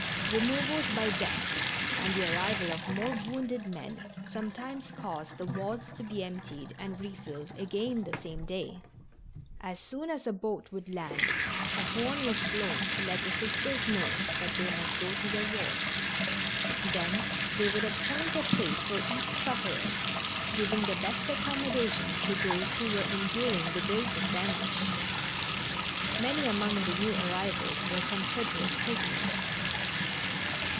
Removals by death and the arrival of more wounded men sometimes caused the wards to be emptied and refilled again the same day. As soon as a boat would land a horn was blown to let the Sisters know that they must go to their wards. Then they would appoint a place for each sufferer, giving the best accommodations to those Who were enduring the greatest anguish. Many among the new arrivals were Confederate prisoners.